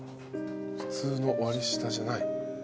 普通の割り下じゃない。